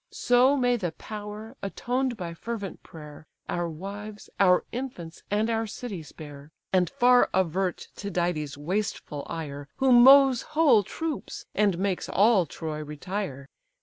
So may the power, atoned by fervent prayer, Our wives, our infants, and our city spare; And far avert Tydides' wasteful ire, Who mows whole troops, and makes all Troy retire.